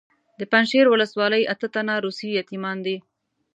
د پنجشیر ولسوالۍ اته تنه روسي یتیمان دي.